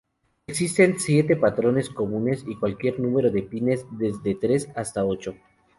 Existen siete patrones comunes y cualquier número de pines desde tres hasta ocho.